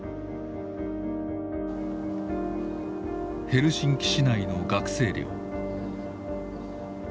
ヘルシンキ市内の学生寮。